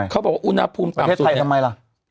เขาบอกว่าอุณหภูมิต่ำสุด